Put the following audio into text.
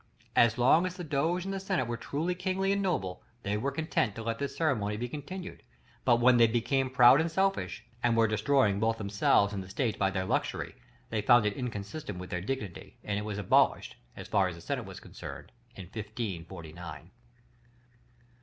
As long as the Doge and the Senate were truly kingly and noble, they were content to let this ceremony be continued; but when they became proud and selfish, and were destroying both themselves and the state by their luxury, they found it inconsistent with their dignity, and it was abolished, as far as the Senate was concerned, in 1549. § LXXV.